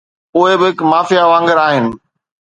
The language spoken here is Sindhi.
. اهي به هڪ مافيا وانگر آهن